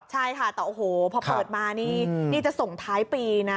ใช่ค่ะแต่โอ้โหพอเปิดมานี่นี่จะส่งท้ายปีนะ